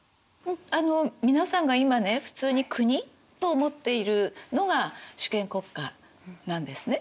あの皆さんが今ね普通に国と思っているのが主権国家なんですね。